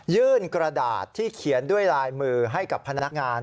กระดาษที่เขียนด้วยลายมือให้กับพนักงาน